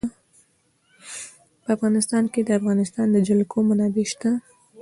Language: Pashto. په افغانستان کې د د افغانستان جلکو منابع شته.